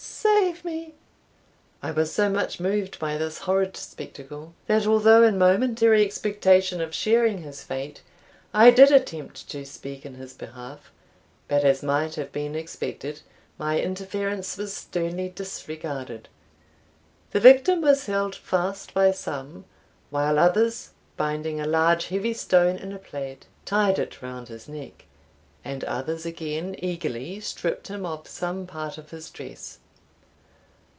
save me!" I was so much moved by this horrid spectacle, that, although in momentary expectation of sharing his fate, I did attempt to speak in his behalf, but, as might have been expected, my interference was sternly disregarded. The victim was held fast by some, while others, binding a large heavy stone in a plaid, tied it round his neck, and others again eagerly stripped him of some part of his dress.